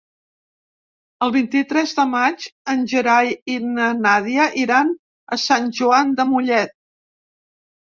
El vint-i-tres de maig en Gerai i na Nàdia iran a Sant Joan de Mollet.